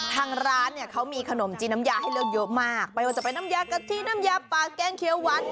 ทางร้านเนี่ยเขามีขนมจีนน้ำยาให้เลือกเยอะมากไม่ว่าจะเป็นน้ำยากะทิน้ำยาปลาแกงเขียวหวาน